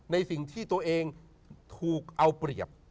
ในสิ่งที่ตัวเองถูกเอาเปรียบ